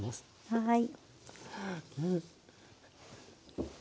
はい。